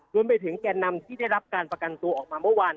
แก่นำที่ได้รับการประกันตัวออกมาเมื่อวาน